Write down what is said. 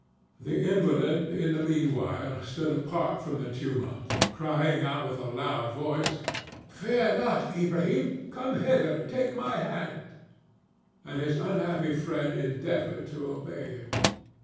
The invalid, in the mean while, stood apart from the tumult, crying out with a loud voice, "Fear not, Ilbrahim; come hither and take my hand," and his unhappy friend endeavored to obey him.